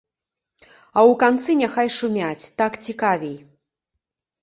А ў канцы няхай шумяць, так цікавей!